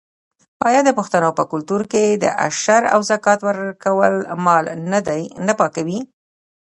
آیا د پښتنو په کلتور کې د عشر او زکات ورکول مال نه پاکوي؟